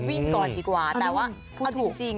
วิ่งก่อนดีกว่าแต่ว่าเอาถูกจริง